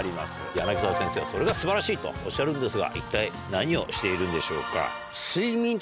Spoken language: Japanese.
柳沢先生はそれが素晴らしいとおっしゃるんですが一体何をしているんでしょうか？